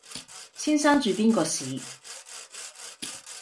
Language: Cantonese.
先生住邊個巿？